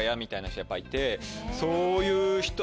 そういう人。